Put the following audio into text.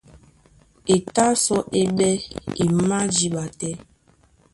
E tá sɔ́ é ɓɛ́ e májǐɓa tɛ́.